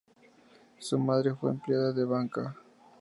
Su madre fue empleada de banca.